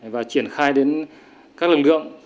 và triển khai đến các lực lượng